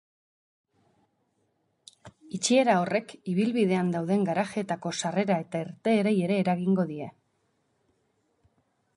Itxiera horrek ibilbidean dauden garajeetako sarrera eta irteerei ere eragingo die.